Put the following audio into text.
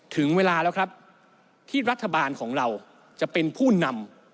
ถึงเวลาแล้วครับที่รัฐบาลของเราจะเป็นผู้นำ